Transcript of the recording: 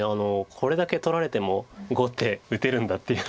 これだけ取られても碁って打てるんだっていう。